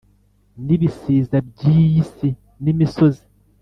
N'ibisiza by'iyi si n’imisozi